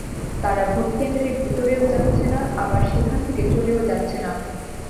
তারা ভোটকেন্দ্রের ভেতরেও যাচ্ছে না, আবার সেখান থেকে চলেও যাচ্ছে না।